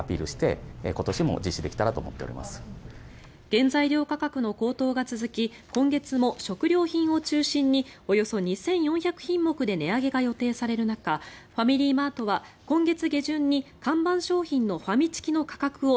原材料価格の高騰が続き今月も食料品を中心におよそ２４００品目で値上げが予定される中ファミリーマートは今月下旬に看板商品のファミチキの価格を